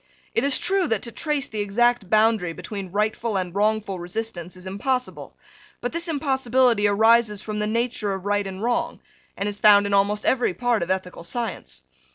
It is true that to trace the exact boundary between rightful and wrongful resistance is impossible: but this impossibility arises from the nature of right and wrong, and is found in almost every part of ethical science.